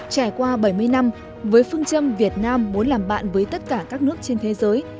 trải qua bảy mươi năm với phương châm việt nam muốn làm bạn với tất cả các nước trên thế giới